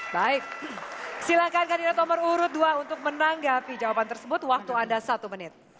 baik silakan kandidat nomor urut dua untuk menanggapi jawaban tersebut waktu anda satu menit